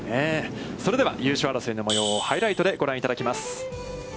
それでは優勝争いの模様をハイライトでご覧いただきます。